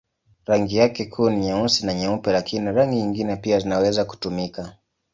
Rangi yake kuu ni nyeusi na nyeupe, lakini rangi nyingine pia zinaweza kutumika.